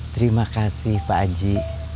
terima kasih pak aji